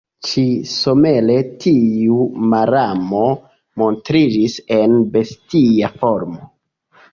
Ĉi-somere tiu malamo montriĝis en bestia formo.